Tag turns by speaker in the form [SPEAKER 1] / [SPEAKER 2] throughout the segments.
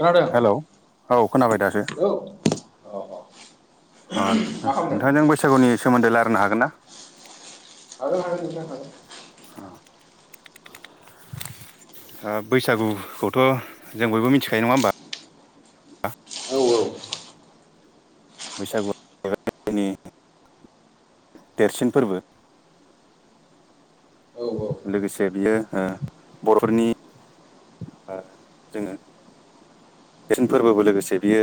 [SPEAKER 1] खोनादों
[SPEAKER 2] हेलौ औ खोनाबाय दासो।
[SPEAKER 1] औ अ अ
[SPEAKER 2] अ
[SPEAKER 1] मा खालामदों
[SPEAKER 2] नोंथांजों बैसागुनि सोमोन्दै रायजायनो हागोन ना?
[SPEAKER 1] आरो मा
[SPEAKER 2] औ। बैसागुखौथ' जों बयबो मिथिखायो नङा होमबा।
[SPEAKER 1] औ औ।
[SPEAKER 2] बैसागुनि देरसिन फोरबो
[SPEAKER 1] हागोन औ
[SPEAKER 2] लोगोसे बियो बर'फोरनि जोङो देरसिन फोरबोबो लोगोसे बियो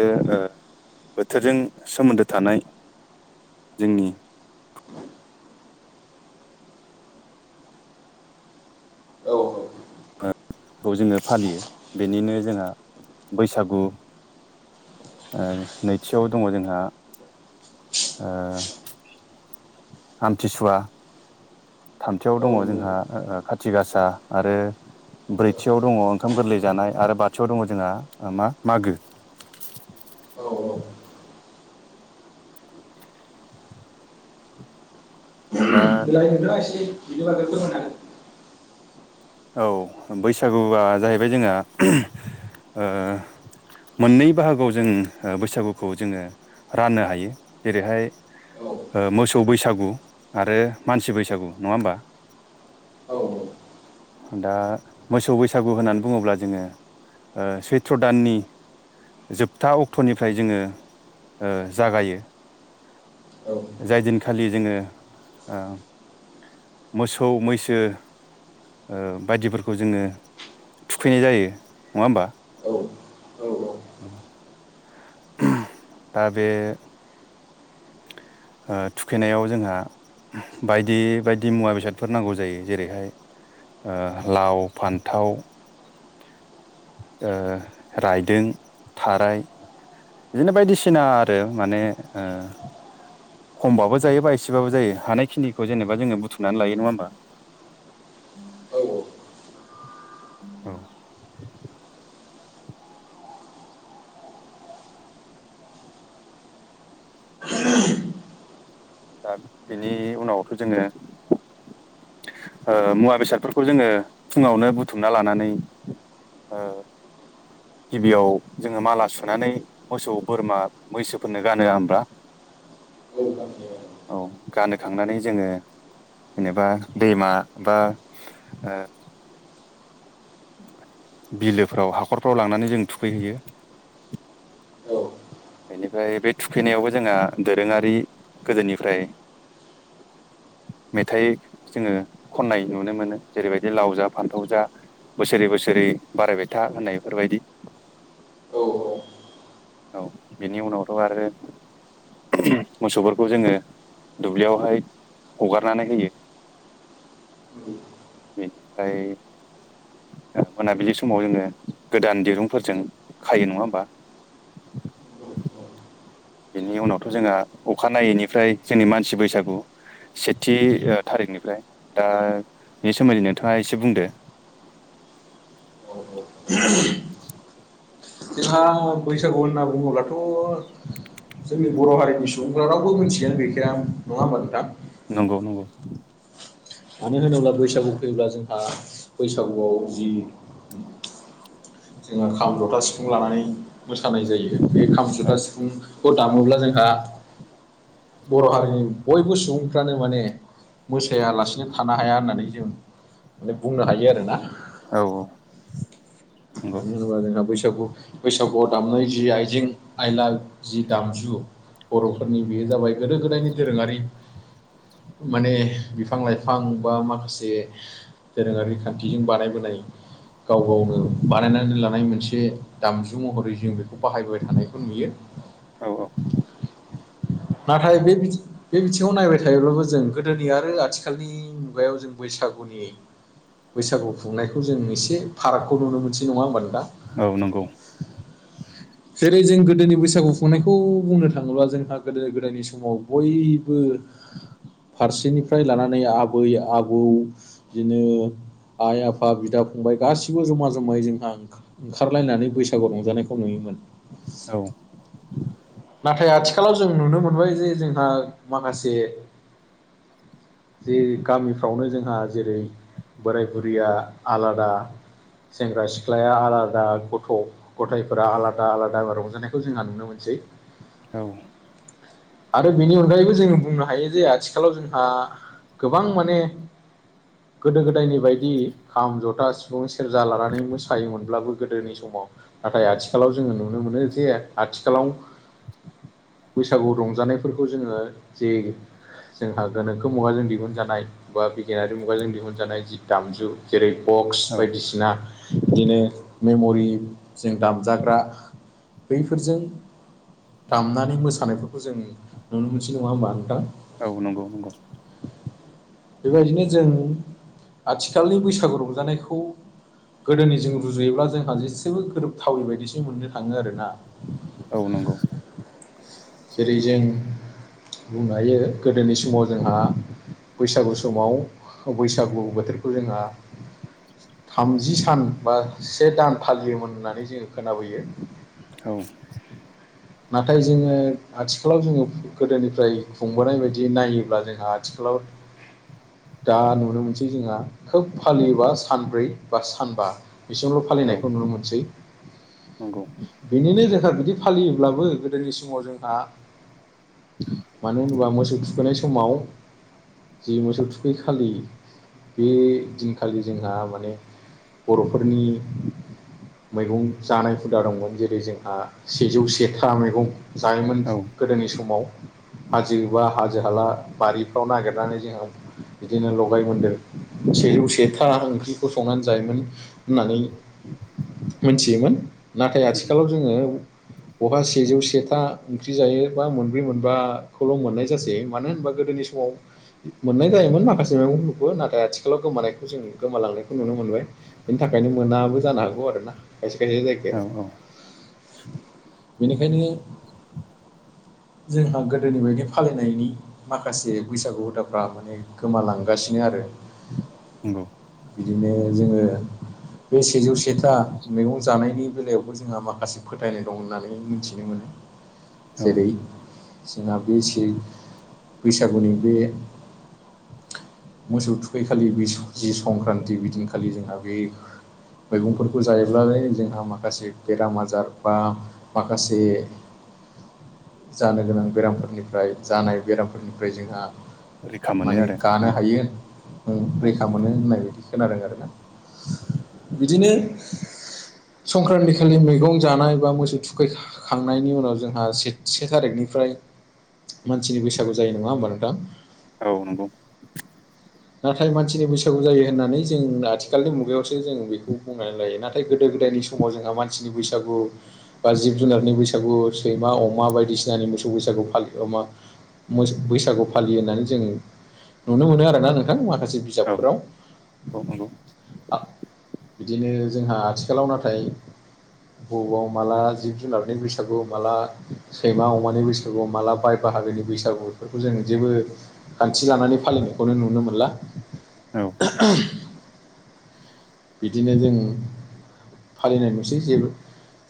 [SPEAKER 2] बोथोरजों सोमोन्दो थानाय जोंनि
[SPEAKER 1] औ औ।
[SPEAKER 2] ओ खौ जोङो फालियो बेनिनो जोंहा बैसागु नैथियाव दङ जोंहा ओ आमथिसुवा थामथियाव दङ
[SPEAKER 1] औ
[SPEAKER 2] जोंहा ओ खाथि गासा आरो ब्रैथियाव दङ ओंखाम गोरलै जानाय आरो बाथियाव दङ जोंहा मा मागो।
[SPEAKER 1] औ औ [unintelligible]
[SPEAKER 2] दा
[SPEAKER 1] एसे बिनि बाग्रबो मोना
[SPEAKER 2] औ बैसागुआ जाहैबाय जोंहा ओ मोननै बाहागोआव जों बैसागुखौ जोङो राननो हायो जेरैहाय
[SPEAKER 1] हागोन
[SPEAKER 2] ओ मोसौ बैसागु आरो मानसि बैसागु नङा होमबा?
[SPEAKER 1] औ औ
[SPEAKER 2] दा मोसौ बैसागु होननानै बुङोब्ला जोङो सैथ्र' दाननि जोबथा अक्ट'निफ्राय जोङो ओ जागायो जाय दिनखालि जोङो मोसौ मैसो ओ बायदिफोरखौ जोङो थुखैनाय जायो नङा होमबा?
[SPEAKER 1] औ औ
[SPEAKER 2] औ [unintelligible] दा बे ओ थुखैनायाव जोंहा बायदि बायदि मुवा बेसादफोर नांगौ जायो जेरैहाय लाव फान्थाव ओ रायदों थाराय बिदिनो बायदिसिना आरो माने ओ खमबाबो जायो बा एसेबाबो जायो हानायिनिखौ जेनेा जोङो बुथुमनानै लायो नङा होमबा?
[SPEAKER 1] औ औ
[SPEAKER 2] औ
[SPEAKER 1] [unintelligible]
[SPEAKER 2] दा बेनि उनावथ' जोङो मुवा बेसादफोरखौ जोङो फुङावनो बुथुमना लानानै ओ गिबियाव जोङो माला सुनानै मोसौ बोरमा मैसोफोरनो गानहोआ होनब्ला [unintelligible]
[SPEAKER 1] औ गानहोयो
[SPEAKER 2] औ गानोखांनानै जोङो जेनेबा दैमा एबा ओ बिलोफ्राव हाखरफ्राव लांनानै जों थुखैहैयो।
[SPEAKER 1] औ
[SPEAKER 2] बेनिफ्राय बे थुखैनायावबो जोंहा दोरोङारि गोदोनिफ्राय मेथाइ जोङो खन्नाय नुनो मोनो जेरैबायदि लाव जा फान्थाव जा बोसोरै बोसोरै बारायबाय था होननायफोरबायदि
[SPEAKER 1] औ औ
[SPEAKER 2] औ बेनि उनावथ' आरो मोसौफोरखौ जोङो दुब्लियावहाय हगारनानै होयो [inaudible]
[SPEAKER 1] [unintelligible]
[SPEAKER 2] बेनिफ्राय मोनाबिलि समाव जोङो गोदान दिरुंफोरजों खायो नङा होमबा?
[SPEAKER 1] औ
[SPEAKER 2] बिनि उनावथ' जोंहा अखानायैनिफ्राय जोंनि मानसि बैसागु सेथि ओ थारिखनिफ्राय दा बेनि सोमोन्दै नोंथाङा एसे बुंदो‌
[SPEAKER 1] औ औ [unintelligible] जोंहा बैसागु होनना बुङोब्लाथ' जोंनि बर' हारिनि सुबुंफोरा रावबो मिथियानो गैखाया नङा होमबा नोंथां?
[SPEAKER 2] नंगौ नंगौ।
[SPEAKER 1] मानो होनोब्ला बैसागु फैब्ला जोंहा बैसागुआव जि जोङो खाम जथा सिफुं लानानै मोसानाय जायो बे खाम
[SPEAKER 2] औ
[SPEAKER 1] जथा सिफुं खौ दामोब्ला जोंहा बर' हारिनि बयबो सुबुंफ्रानो माने मोसायालासिनो थानो हाया होननानै जों माने बुंनो हायो आरोना।
[SPEAKER 2] औ नंगौ
[SPEAKER 1] मानो होनोबा जोंहा बैसागु बैसागुआव दामनाय जि आइजें आइला जि दामजु बर'फोरनि बेयो जाबाय गोदो गोदायनि दोरोङारि माने बिफां लाइफां बा माखासे दोरोङारि खान्थिजों बानायबोनाय गाव गावनो बानायनानै लानाय मोनसे दामजु महरै जों बेखौ बाहायबाय थानायखौ नुयो।
[SPEAKER 2] औ औ
[SPEAKER 1] नाथाय बे बे बिथिङाव नायबाय थायोब्लाबो जों गोदोनि आरो आथिखालनि मुगायाव जों बैसागुनि बैसागु खुंनायखौ जों एसे फारागखौ नुनो मोनसै नङा होनोबा नोंथां
[SPEAKER 2] औ नंगौ।
[SPEAKER 1] जेरै जों गोदोनि बैसागु खुंनायखौ बुंनो थाङोब्ला जोंहा गोदो गोदायनि समाव बयबो
[SPEAKER 2] [inaudible]
[SPEAKER 1] फारसेनिफ्राय लानानै आबै आबौ बिदिनो आइ आफा बिदा फंबाय गासिबो जमा जमायै जोंहा ओंखारलायनानै बैसागु रंजानायखौ नुयोमोन।
[SPEAKER 2] औ
[SPEAKER 1] नाथाय आथिखालाव जों नुनो मोनबाय जे जोंहा माखासे जे गामिफ्रावनो जोंहा जेरै बोराय बुरिया आलादा सेंग्रा सिख्लाया आलादा गथ' गथायफोरा आला दा आलादा रंजानायखौ जोंहा नुनो मोनसै।
[SPEAKER 2] औ
[SPEAKER 1] आरो बेनि अनगायैबो जों बुंनो हायो जे आथिखालाव जोंहा गोबां माने गोदो गोदायनि बायदि खाम, जथा, सिफुं, सेरजा लानानै मोसायोमोनब्लाबो गोदोनि समाव नाथाय आथिखालाव जोङो नुनो मोनो जे आथिखालाव बैसागु रंजानायफोरखौ जोङो जे जोंहा गोनोखो मुगाजों दिहुनजानाय बा बिगियानारि मुगाजों दिहुन जानाय जि दामजु जेरै बक्स
[SPEAKER 2] औ
[SPEAKER 1] बायदिसिना बिदिनो मेमरि जों दाम जाग्रा बैफोरजों दामनानै मोसानायफोरखौ जों नुनो मोनसै नङा होमबा नोंथां।
[SPEAKER 2] औ नंगौ नंगौ।
[SPEAKER 1] बेबायदिनो जों आथिखालनि बैसागु रंजानायखौ गोदोनि जों रुजुयोब्ला जोंहा जेसेबो गोरोबथावै बायदिसो मोननो थाङो आरोना।
[SPEAKER 2] औ नंगौ।
[SPEAKER 1] जेरै जों बुंनो हायो गोदोनि समाव जोंहा बैसागु समाव बैसागु बोथोरखौ जोंहा थामजि सान बा से दान फालियोमोन होननानै जोङो खोनाबोयो
[SPEAKER 2] औ
[SPEAKER 1] नाथाय जोङो आथिखालाव जोङो गोदोनिफ्राय खुंबोनाय बायदि नायोब्ला जोंहा आथिखालाव दा नुनो मोनसै जोंहा खोब फालियोबा सानब्रै बा सानबा बिसोरल'
[SPEAKER 2] औ
[SPEAKER 1] फालिनायखौ नुनो मोनसै।
[SPEAKER 2] नंगौ
[SPEAKER 1] बेनिनो जोंहा बिदि फालियोब्लाबो गोदोनि समाव जोंहा मानो होनोबा मोसौ थुखैनाय समाव जि मोसौ थुखै खालि बे दिनखालि जोंहा माने बर'फोरनि मैगं जानाय हुदा दंमोन जेरै जोंहा सेजौ सेथा मैगं जायोमोन
[SPEAKER 2] औ
[SPEAKER 1] गोदोनि समाव हाजो एबा हाजो हाला बारिफ्राव नागिरनानै जोंहा बिदिनो लगाय मोनदोर सेजौ सेथा ओंख्रिखौ संनानै जायोमोन। होननानै मोनथियोमोन। नाथाय आथिखालाव जोङो बहा सेजौ सेथा ओंख्रि जायो बा मोनब्रै मोनबाखौल' मोननाय जासै मानो होनबा गोदोनि समाव मोननाय जायोमोन माखासे मैगंफोरखौ नाथाय आथिखालाव गोमानायखौ जों गोमालांनायखौ नुनो मोनबाय। बेनि थाखायनो मोनाबो जानो हागौ आरोना खायसे खायसे जायगा
[SPEAKER 2] औ
[SPEAKER 1] आरो बेनिखायनो जोंहा गोदोनि बायदि फालिनायनि माखासे बैसागु हुदाफ्रा माने गोमालांगासिनो आरो
[SPEAKER 2] नंगौ
[SPEAKER 1] बिदिनो जोङो बे सेजौ सेथा मैगं जानायनि बेलायावबो जोंहा माखासे फोथायनाय दं होननानै मिथिनो मोनो।
[SPEAKER 2] औ
[SPEAKER 1] जेरै जोंहा बे बैसागुनि बे मोसौ थुखैखालि बे जि संक्रान्ति बिदिनखालि जोंहा बे मैगंफोरखौ जायोब्लाल जोंहा माखासे बेराम आजार बा माखासे जानो गोनां बेरामफोरनिफ्राय जानाय बेरामफोरनिफ्राय जोंहा
[SPEAKER 2] रैखा मोनो
[SPEAKER 1] माने
[SPEAKER 2] आरो
[SPEAKER 1] गानो
[SPEAKER 2] जेन
[SPEAKER 1] हायो।
[SPEAKER 2] औ
[SPEAKER 1] रैखा मोनो होननाय बायदि खोनादों आरोना बिदिनो संक्रान्ति खालि मैगं जानाय बा मोसौ थुखै खांनायनि उनाव जोंहा से से थारिखनिफ्राय मानसिनि बैसागु जायो नङा होमबा नोंथां
[SPEAKER 2] औ नंगौ
[SPEAKER 1] नाथाय मानसिनि बैसागु जायो होननानै जों आथिखालनि मुगायावसो जों बेखौ बुंनानै लायो नाथाय नाथाय गोदो-गोदायनि समाव जोंहा मानसिनि बैसागु बा जिब-जुनारनि बैसागु सैमा अमा बायदिसिनानि मोसौ बैसागु फालियो मा बैसागु फालियो होननानै जोंङ नुनो मोनो आरोना नों माखासे
[SPEAKER 2] औ
[SPEAKER 1] बिजाबफोराव
[SPEAKER 2] औ नंगौ
[SPEAKER 1] बिदिनो जोंहा आथिखालाव नाथाय बबाव माला जिब-जुनारनि बैसागु माला सैमा अमानि बैसागु मालाबा बाय बाहागोनि बैसागु बेफोरखौ जों जेबो खान्थि लानानै फालिनायखौनो नुनो मोनला।
[SPEAKER 2] औ
[SPEAKER 1] बिदिनो जों फालिनाय नुसै जेबो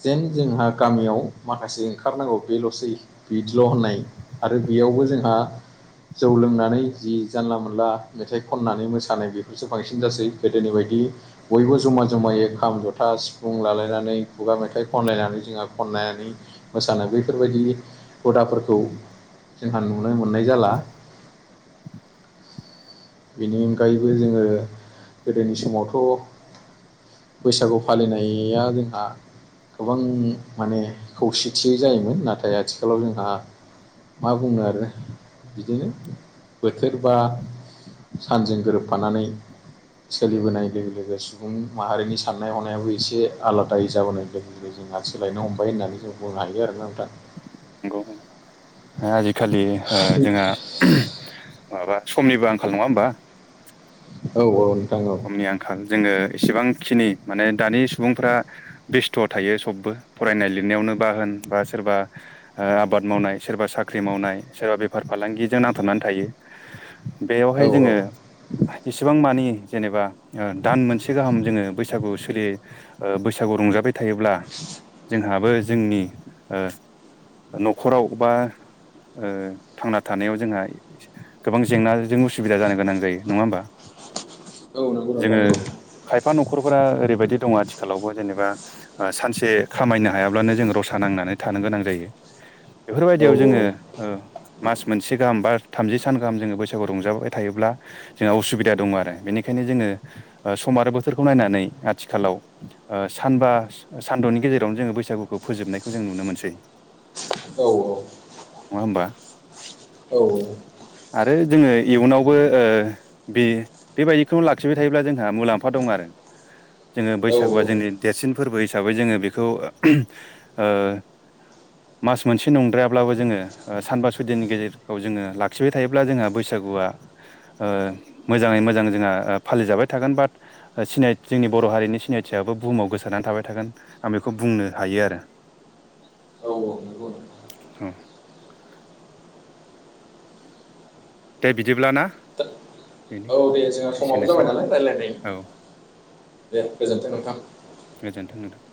[SPEAKER 1] जेन जोंहा गामियाव माखासे ओंखारनांगौ बेल'सै बिदिल' होननाय आरो बेयावबो जोंहा जौ लोंनानै जि जानला मोनला मेथाइ खननानै मोसानाय बेफोरसो बांसिन जासै गोदोनि बायदि बयबो जमा जमायै खाम जथा सिफुं लालायनानै खुगा मेथाइ खनलायनानै जोंहा खननानै मोसानाय बैफोरबायदि हुदाफोरखौ जोंहा नुनो मोननाय जाला। बेनि अनगायैबो जोङो गोदोनि समावथ' बैसागु फालिनाया जोंहा गोबां माने खौसेथि जायोमोन नाथाय आथिखालाव जोंहा मा बुङो आरो बिदिनो बोथोरबा सानजों गोरोबफानानै सोलिबोनाय लोगो लोगो सुबुं माहारिनि साननाय हनायाबो एसे आलादायै जाबोनो लोगो लोगो जोंहा सोलायनो हमबाय होननानै जों बुंनो हायो आरोना नोंथां
[SPEAKER 2] नंगौ आजिखालि ओ जोंहा माबा समनिबो आंखाल नङा होमबा
[SPEAKER 1] औ औ नोंथां औ
[SPEAKER 2] समनि आंखाल जोङो इसेबांखिनि माने दानि सुबुंफोरा बेस्थ' थायो सबबो फरायनाय लिरनायावनो बा होन बा सोरबा ओ आबाद मावनाय सोरबा साख्रि मावनाय सोरबा बेफार फालांगिजों नांथाबनानै थायो।
[SPEAKER 1] औ
[SPEAKER 2] बेयावहाय जोङो इसेबां मानि जेनेबा दान मोनसे गाहाम जोङो बैसागु सोलि बैसागु रंजाबाय थायोब्ला जोंहाबो जोंनि ओ न'खराव बा ओ थांना थानायाव जोंहा गोबां जेंनाजों उसुबिदा जानो गोनां जायो नङा होमबा?
[SPEAKER 1] औ नंगौ नोंथां
[SPEAKER 2] जोङो
[SPEAKER 1] नंगौ
[SPEAKER 2] खायफा न'खरफोरा ओरैबायदि दङ आथिखालावबो जेनेबा ओ सानसे खामायनो हायाब्लानो जोङो रसा नांनानै थानो गोनां जायो
[SPEAKER 1] औ
[SPEAKER 2] बेफोरबायदियाव जोङो ओ मास मोनसे गाहाम बा थामजि सान गाहाम जोङो बैसागु रंजाबाय थायोब्ला जोंहा उसुबिदा दङ आरो बेनिखायनो जोङो सम आरो बोथोरखौ नायनानै आथिखालाव ओ सानबा सानद'नि गेजेरावनो जोङो बैसागुखौ फोजोबनायखौ जों नुनो मोनसै।
[SPEAKER 1] औ औ
[SPEAKER 2] नङा होमबा?
[SPEAKER 1] औ
[SPEAKER 2] आरो जोङो इयुनावबो ओ बि बेबायदिखौनो लाखिबाय थायोब्ला जोंहा मुलाम्फा दं आरो जोङो
[SPEAKER 1] औ
[SPEAKER 2] बैसागुआ जोंनि देरसिन फोरबो हिसाबै जोङो बेखौ ओ मास मोनसे नंद्रायाब्लाबो जोङो सानबा सय दिननि गेजेरखौ जोङो लाखिबाय थायोब्ला जोंहा बैसागुआ ओ मोजाङै मोजां जोंहा फालिजाबाय थागोन बाट सिनाय जोंनि बर' हारिनि सिनायथियाबो बुहुमाव गोसारनानै थाबाय थागोन आं बेखौ बुंनो हायो आरो।
[SPEAKER 1] नंगौ नोंथां
[SPEAKER 2] औ दे बिदिब्ला ना बेनो
[SPEAKER 1] औ दे जोंहा समाबो
[SPEAKER 2] एसेनोसै
[SPEAKER 1] जाबाय नालाय रायज्लायनाय
[SPEAKER 2] औ
[SPEAKER 1] दे गोजोनथों नोंथां।
[SPEAKER 2] गोजोन्थों नोंथां